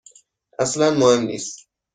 اصلا مهم نیست.